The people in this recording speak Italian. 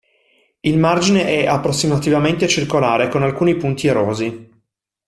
Il margine è approssimativamente circolare, con alcuni punti erosi.